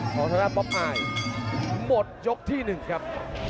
ของท่านครับป๊อปไอด์หมดยกที่หนึ่งครับ